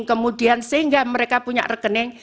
kemudian sehingga mereka punya rekening